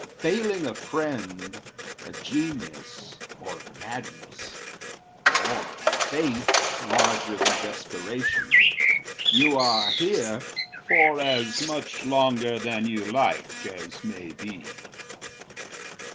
Failing a friend, A genius, or a madness, or a faith Larger than desperation, you are here For as much longer than you like as may be.